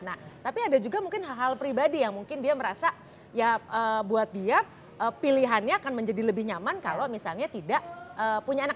nah tapi ada juga mungkin hal hal pribadi yang mungkin dia merasa ya buat dia pilihannya akan menjadi lebih nyaman kalau misalnya tidak punya anak